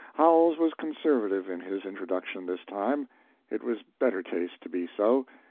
] Howells was conservative in his introduction this time. It was better taste to be so.